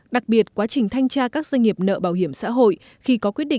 đặc biệt quá trình thanh tra các doanh nghiệp nợ bảo hiểm xã hội